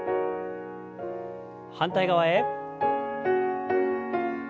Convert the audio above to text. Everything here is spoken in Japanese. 反対側へ。